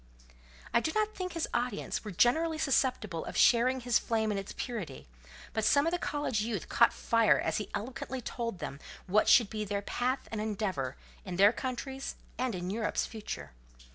I do not think his audience were generally susceptible of sharing his flame in its purity; but some of the college youth caught fire as he eloquently told them what should be their path and endeavour in their country's and in Europe's future.